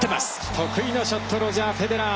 得意のショットロジャー・フェデラー。